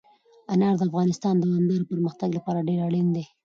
انار د افغانستان د دوامداره پرمختګ لپاره ډېر اړین دي.